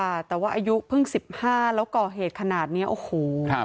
ค่ะแต่ว่าอายุเพิ่ง๑๕แล้วก่อเหตุขนาดเนี้ยโอ้โหครับ